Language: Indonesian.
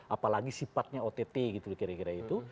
apalagi sifatnya ott gitu kira kira itu